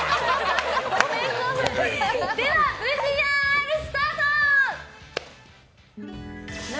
ではＶＴＲ、スタート！